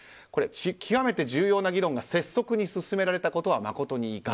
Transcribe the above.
極めて重要な議論が拙速に進められたことは誠に遺憾。